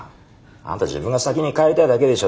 あんた自分が先に帰りたいだけでしょ